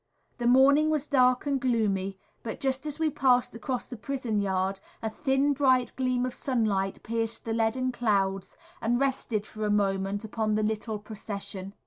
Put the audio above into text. The morning was dark and gloomy, but just as we passed across the prison yard a thin bright gleam of sunlight pierced the leaden clouds and rested for a moment upon the little procession.